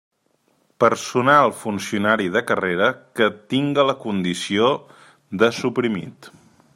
Personal funcionari de carrera que tinga la condició de suprimit.